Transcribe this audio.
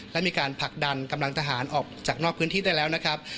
และมีการผลักดันกำลังทหารออกจากนอกพื้นที่ได้แล้วนะครับ